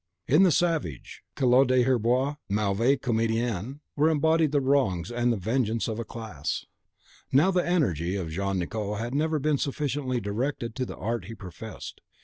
In the savage Collot d'Herbois, mauvais comedien, were embodied the wrongs and the vengeance of a class. Now the energy of Jean Nicot had never been sufficiently directed to the art he professed.